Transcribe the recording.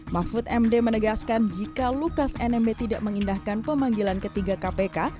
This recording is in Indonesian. mahfud md menegaskan jika lukas nmb tidak mengindahkan pemanggilan ketiga kpk